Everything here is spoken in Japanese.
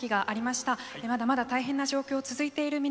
まだまだ大変な状況続いている皆さん。